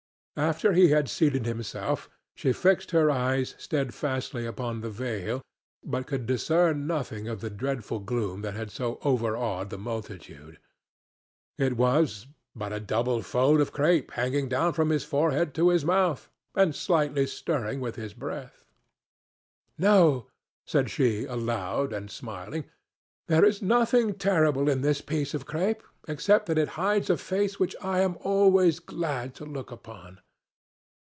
After he had seated himself she fixed her eyes steadfastly upon the veil, but could discern nothing of the dreadful gloom that had so overawed the multitude; it was but a double fold of crape hanging down from his forehead to his mouth and slightly stirring with his breath. "No," said she, aloud, and smiling, "there is nothing terrible in this piece of crape, except that it hides a face which I am always glad to look upon.